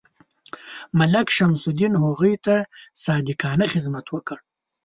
ملک شمس الدین هغوی ته صادقانه خدمت وکړ.